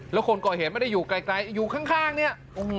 แล้วคนก่อเหตุไม่ได้อยู่ไกลอยู่ข้างเนี่ย